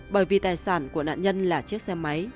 bởi vì tài sản của nạn nhân là chiếc xe máy